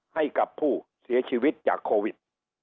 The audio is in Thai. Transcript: ให้กับผู้เสียชีวิตจากโควิด